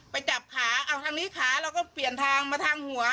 ไปจับขาเอาทางนี้ขาเราก็เปลี่ยนทางมาทางหัว